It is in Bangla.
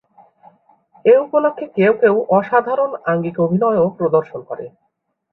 এ উপলক্ষে কেউ কেউ অসাধারণ আঙ্গিক অভিনয়ও প্রদর্শন করে।